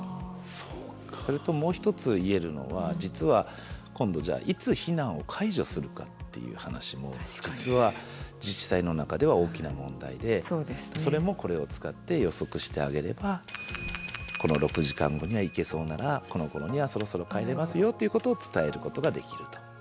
それともう一つ言えるのは実は今度じゃあいつ避難を解除するかっていう話も実は自治体の中では大きな問題でそれもこれを使って予測してあげればこの６時間後には行けそうならこのころにはそろそろ帰れますよということを伝えることができると。